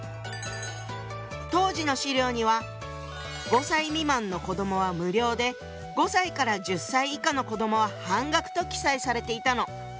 当時の資料には５歳未満の子どもは無料で５歳から１０歳以下の子どもは半額と記載されていたの。